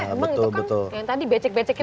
emang itu kan yang tadi becek becek itu kan